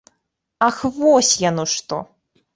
Ах, вось яно што!